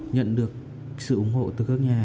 nhận được sự ủng hộ từ các nhà